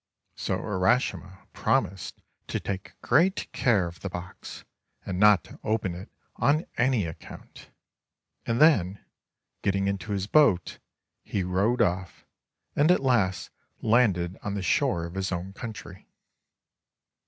So Urashima promised to take great care of the box, and not to open it on any account; and, then, getting into his boat, he rowed off, and at last landed on the shore of his own country.